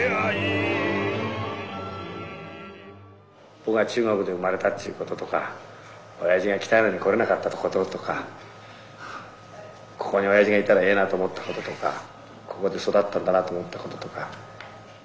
僕が中国で生まれたっていうこととか親父が来たいのに来れなかったこととかここに親父がいたらええなと思ったこととかここで育ったんだなと思ったこととか。